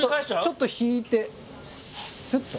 ちょっと引いてスッと。